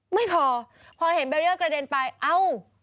ไม่พอพอเห็นเบรีเออร์กระเด็นไปเอ้า